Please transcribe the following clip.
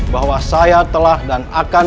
bahwa saya telah dan akan